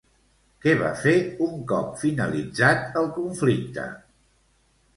Què va fer un cop finalitzat el conflicte?